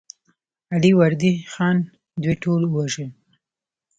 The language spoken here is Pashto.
علي وردي خان دوی ټول ووژل.